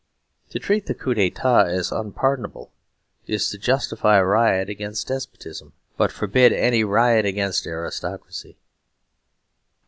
To treat the Coup d'état as unpardonable is to justify riot against despotism, but forbid any riot against aristocracy.